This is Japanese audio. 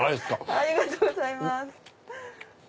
ありがとうございます。